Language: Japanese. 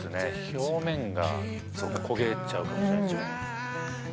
表面が焦げちゃうかもしれないですよね